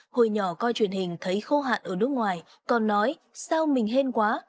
hồi nhỏ coi truyền hình thấy khô hạn ở nước ngoài còn nói sao mình hên quá